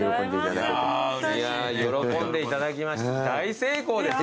喜んでいただきまして大成功ですよ。